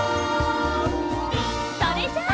それじゃあ！